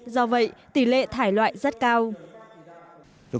do vậy tỷ lệ thải loại rất cao